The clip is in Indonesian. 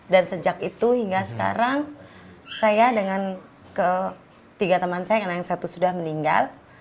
dan sejak itu hingga sekarang saya dengan ketiga teman saya yang satu sudah meninggal